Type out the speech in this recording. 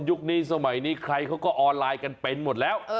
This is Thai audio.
นี้สมัยนี้ใครเขาก็ออนไลน์กันเป็นหมดแล้ว